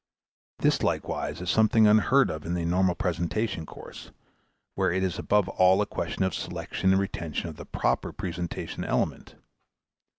This, likewise, is something unheard of in the normal presentation course, where it is above all a question of selection and retention of the "proper" presentation element.